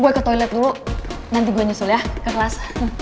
gue ke toilet dulu nanti gue nyusul ya ke kelas